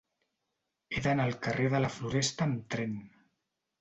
He d'anar al carrer de la Floresta amb tren.